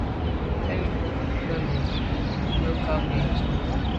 Ŋkrʉ̀n gə́ cúp à’ fə́ mbə́ á yûp cú mbɑ́ bú khǐ tà’ ŋkrʉ̀n.